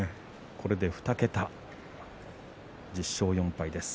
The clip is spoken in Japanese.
これで２桁１０勝４敗です。